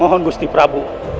mohon bukti prabu